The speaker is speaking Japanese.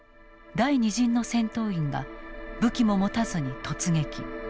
第２陣の戦闘員が武器も持たずに突撃。